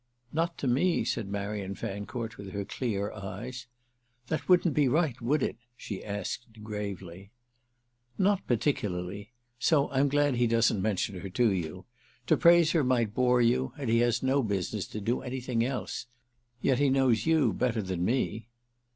"Not to me," said Marian Fancourt with her clear eyes. "That wouldn't be right, would it?" she asked gravely. "Not particularly; so I'm glad he doesn't mention her to you. To praise her might bore you, and he has no business to do anything else. Yet he knows you better than me."